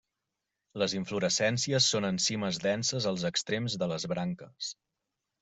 Les inflorescències són en cimes denses als extrems de les branques.